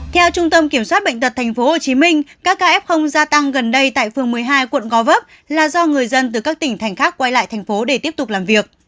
theo trung tâm kiểm soát bệnh tật tp hcm các ca f gia tăng gần đây tại phường một mươi hai quận gò vấp là do người dân từ các tỉnh thành khác quay lại thành phố để tiếp tục làm việc